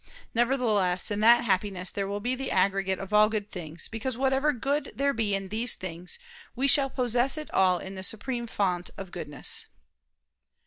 Nevertheless in that Happiness there will be the aggregate of all good things, because whatever good there be in these things, we shall possess it all in the Supreme Fount of goodness.